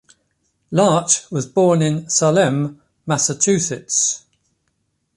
Larch was born in Salem, Massachusetts.